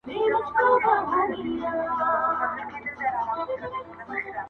زما د زړه سپوږمۍ ، سپوږمۍ ، سپوږمۍ كي يو غمى دی,